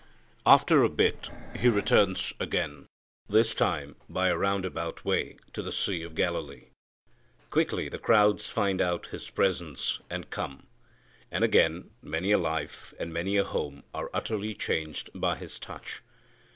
After a bit He returns again, this time by a round about way, to the Sea of Galilee. Quickly the crowds find out His presence and come; and again many a life and many a home are utterly changed by His touch.